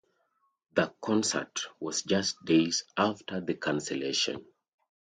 The concert was just days after the cancellation.